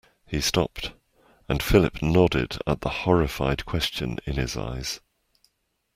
He stopped, and Philip nodded at the horrified question in his eyes.